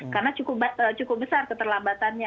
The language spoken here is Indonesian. karena cukup besar keterlambatannya